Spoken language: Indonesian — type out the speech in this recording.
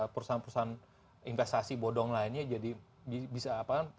pusat pusat investasi bodong lainnya jadi bisa apa kan